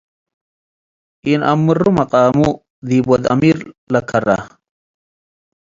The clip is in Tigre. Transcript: ኢንአምሩ መቃሙ ዲብ ወድ-አሚር ለከረ።